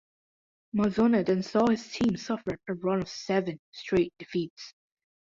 Mazzone then saw his team suffer a run of seven straight defeats.